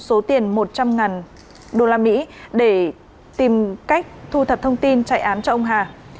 số tiền một trăm linh usd để tìm cách thu thập thông tin chạy án cho ông hà